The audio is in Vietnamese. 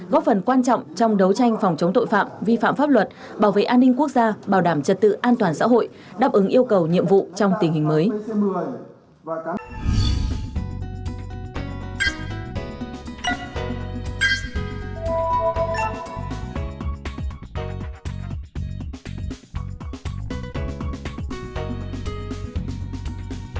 góp phần quan trọng trong đấu tranh phòng chống tội phạm vi phạm pháp luật bảo vệ an ninh quốc gia bảo đảm trật tự an toàn xã hội đáp ứng yêu cầu nhiệm vụ trong tình hình mới